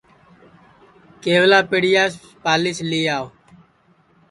کیولا پِٹیاس پالِیس لی آو